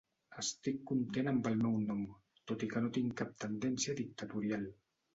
Estic content amb el meu nom, tot i que no tinc cap tendència dictatorial.